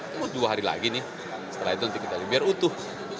tunggu dua hari lagi nih setelah itu nanti kita lihat biar utuh